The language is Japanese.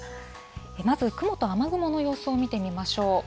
まず、雲と雨雲の様子を見てみましょう。